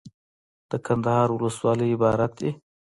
دکندهار ولسوالۍ عبارت دي.